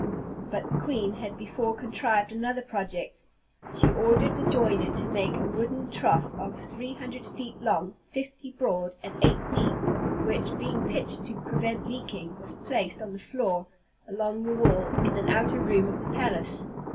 But the queen had before contrived another project. She ordered the joiner to make a wooden trough of three hundred feet long, fifty broad, and eight deep; which, being well pitched to prevent leaking, was placed on the floor along the wall, in an outer room of the palace.